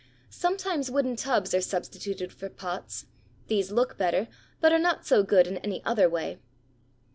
Sometimes wooden tubs are substituted for pots. These look better, but are not so good in any other way.